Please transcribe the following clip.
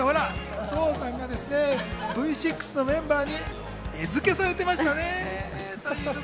お父さんがＶ６のメンバーに餌付けされてましたね。